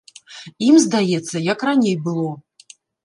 Ім здаецца, як раней было!